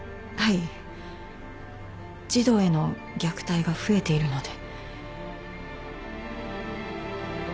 児童への虐待が増えているので。